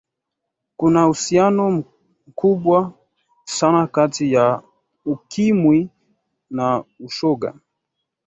kuna uhusiano mkubwa sana kati ya ukimwi na ushoga